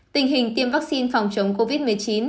tình hình tiêm vaccine phòng chống covid một mươi chín